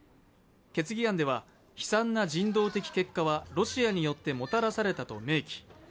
決議案では、悲惨な人道的手結果はロシアによってもたらされたと明記。